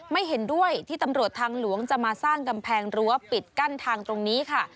ไม่เห็นด้วยที่ตำรวจทางหลวงจะมาสร้างกำแพงรั้วปิดกั้นทางตรงนี้ค่ะ